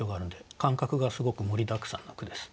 感覚がすごく盛りだくさんの句です。